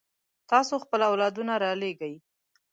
تاسو خپل اولادونه رالېږئ.